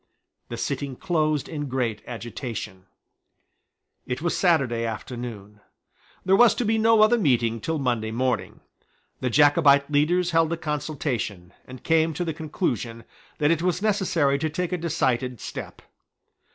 The sitting closed in great agitation, It was Saturday afternoon. There was to be no other meeting till Monday morning. The Jacobite leaders held a consultation, and came to the conclusion that it was necessary to take a decided step.